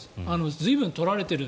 随分取られている。